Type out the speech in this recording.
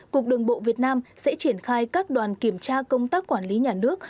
cục đường bộ việt nam sẽ triển khai các đoàn kiểm tra công tác quản lý nhà nước